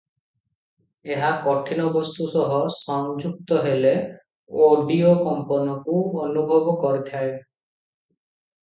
ଏହା କଠିନ ବସ୍ତୁ ସହ ସଂଯୁକ୍ତ ହେଲେ ଅଡିଓ କମ୍ପନକୁ ଅନୁଭବ କରିଥାଏ ।